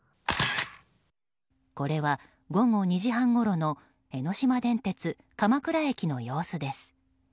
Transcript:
これは、午後２時半ごろの江ノ島電鉄鎌倉駅の様子です。